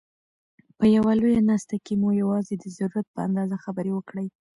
په یوه لویه ناست کښي مو یوازي د ضرورت په اندازه خبري وکړئ!